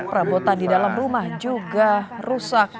perabotan di dalam rumah juga rusak